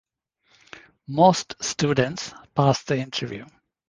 Most students pass the interview.